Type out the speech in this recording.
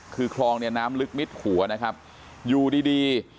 คือคลองเนี่ยน้ำลึกมิดหัวนะครับอยู่ดีดี